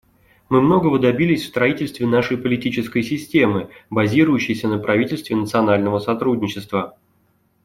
Мы многого добились в строительстве нашей политической системы, базирующейся на правительстве национального сотрудничества.